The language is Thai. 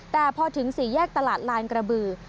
แต่พอถึงสี่แยกตลาดลานกระบือ